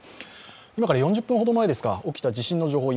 今から４０分ほど前ですか、起きた地震の情報